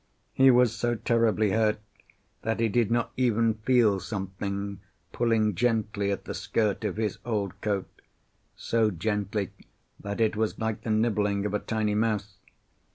He was so terribly hurt that he did not even feel something pulling gently at the skirt of his old coat, so gently that it was like the nibbling of a tiny mouse.